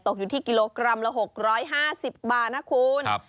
อยู่ที่กิโลกรัมละ๖๕๐บาทนะคุณ